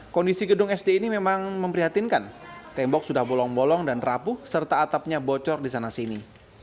kondisi gedung sd ini memang memprihatinkan tembok sudah bolong bolong dan rapuh serta atapnya bocor di sana sini